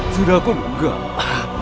sudah aku mengunggah